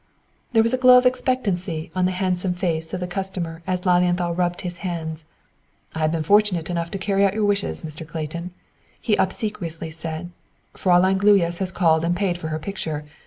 There was a glow of expectancy on the handsome face of the customer as Lilienthal rubbed his hands. "I have been fortunate enough to carry out your wishes, Mr. Clayton," he obsequiously said. "Fräulein Gluyas has called and paid for her picture.